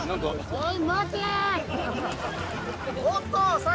おい！